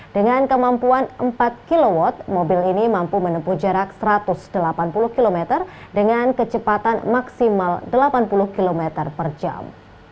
dengan kemampuan empat kw mobil ini mampu menempuh jarak satu ratus delapan puluh km dengan kecepatan maksimal delapan puluh km per jam